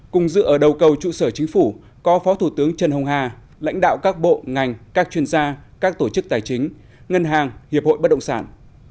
cùng dự ở đầu cầu trụ sở chính phủ có phó thủ tướng trần hồng hà lãnh đạo các bộ ngành các chuyên gia các tổ chức tài chính ngân hàng hiệp hội bất động sản